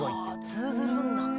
はぁ通ずるんだね。